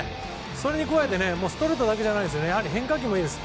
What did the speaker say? それに加えてストレートだけじゃなくやはり変化球もいいです。